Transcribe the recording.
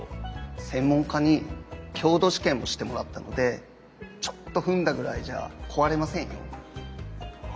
専門家に強度試験もしてもらったのでちょっと踏んだぐらいじゃ壊れませんよ。